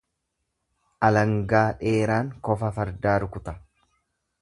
Alangaa dheeraan kofa fardaa rukuta.